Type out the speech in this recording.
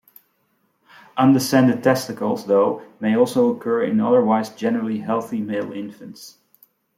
Undescended testicles, though, may also occur in otherwise generally healthy male infants.